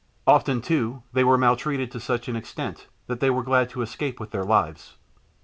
Often, too, they were maltreated to such an extent that they were glad to escape with their lives.